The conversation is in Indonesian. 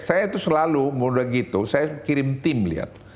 saya itu selalu mudah gitu saya kirim tim lihat